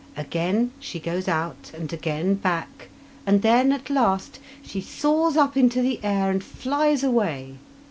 Again she goes out, and again back, and then, at last, she soars up into the air and flies away.